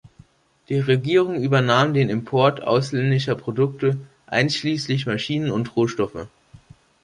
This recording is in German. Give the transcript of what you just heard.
Die Regierung übernahm den Import ausländischer Produkte einschließlich Maschinen und Rohstoffe.